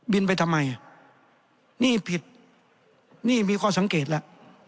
ไปทำไมนี่ผิดนี่มีข้อสังเกตแล้ว